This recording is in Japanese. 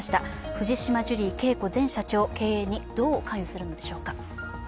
藤島ジュリー景子前社長、経営にどう関与するのでしょうか。